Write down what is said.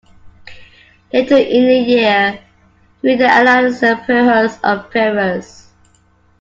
Later in the year, he made an alliance with Pyrrhus of Epirus.